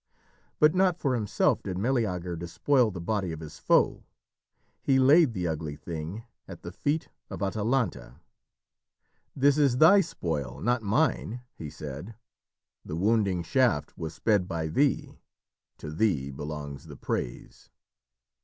But not for himself did Meleager despoil the body of his foe. He laid the ugly thing at the feet of Atalanta. "This is thy spoil, not mine," he said. "The wounding shaft was sped by thee. To thee belongs the praise."